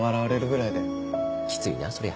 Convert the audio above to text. きついなそりゃ。